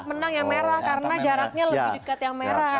menang yang merah karena jaraknya lebih dekat yang merah